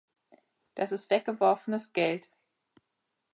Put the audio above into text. Das ist weggeworfenes Geld.